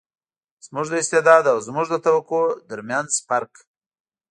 زموږ د استعداد او زموږ د توقع تر منځ فرق.